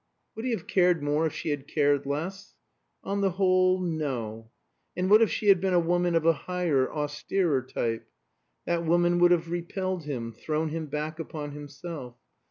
Would he have cared more if she had cared less? On the whole no. And what if she had been a woman of a higher, austerer type? That woman would have repelled him, thrown him back upon himself.